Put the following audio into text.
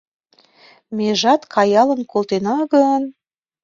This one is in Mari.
Межат каялын колтена гын